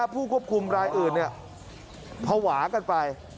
ผู้ควบคุมรายอื่นภาวะกันไป